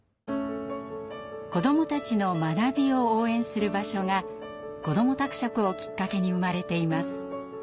子どもたちの学びを応援する場所がこども宅食をきっかけに生まれています。